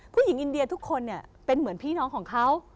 ผู้หญิงอินเดียทุกคนเป็นเหมือนพี่น้องของเขา